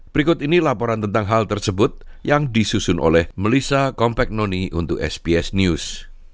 berikut ini laporan tentang hal tersebut yang disusun oleh melissa compagnoni untuk sbs news